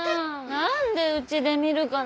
何でうちで見るかな。